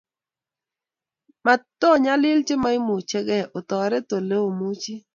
matonyalil che maimuchigei, otoret ole omuchi